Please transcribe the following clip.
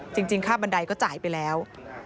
จริงค่าบันไดก็จ่ายไปแล้ว